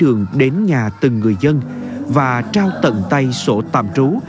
các đồng chí đến nhà từng người dân và trao tận tay sổ tạm trú